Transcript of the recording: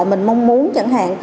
mình mong muốn chẳng hạn